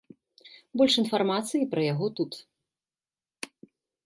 Больш інфармацыі пра яго тут.